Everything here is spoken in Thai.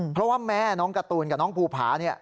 เพราะว่าแม่น้องการ์ตูนกับน้องภูผาเนี่ย